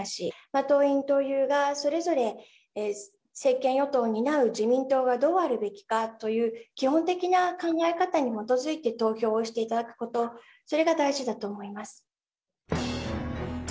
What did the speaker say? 党員、党友がそれぞれ政権与党を担う自民党がどうあるべきかという基本的な考え方に基づいて投票をしていただくこと、それが大事だと思います。